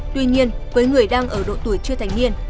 tuy nhiên với người đang ở độ tuổi chưa thành niên